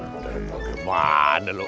terpang kemana lo